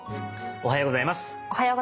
おはようございます。